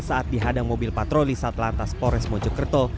saat dihadang mobil patroli satlantas pores mojokerto